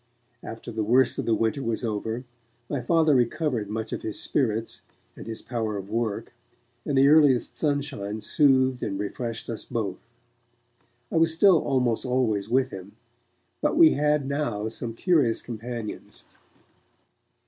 After the worst of the winter was over, my Father recovered much of his spirits and his power of work, and the earliest sunshine soothed and refreshed us both. I was still almost always with him, but we had now some curious companions.